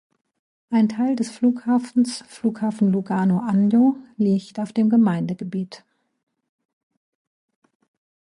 Ein Teil des Flughafens Flughafen Lugano-Agno liegt auf dem Gemeindegebiet.